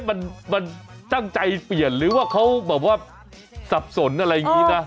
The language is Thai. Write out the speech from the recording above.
มันตั้งใจเปลี่ยนหรือว่าเขาแบบว่าสับสนอะไรอย่างนี้นะ